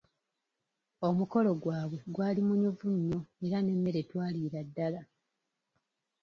Omukolo gwabwe gwali munyuvu nnyo era n'emmere twaliira ddala.